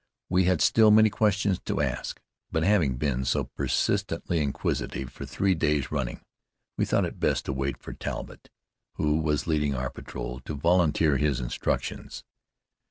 We had still many questions to ask, but having been so persistently inquisitive for three days running, we thought it best to wait for Talbott, who was leading our patrol, to volunteer his instructions.